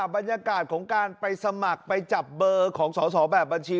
บรรยากาศของการไปสมัครไปจับเบอร์ของสอสอแบบบัญชี